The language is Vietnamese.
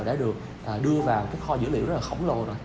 đã được đưa vào cái kho dữ liệu rất là khổng lồ rồi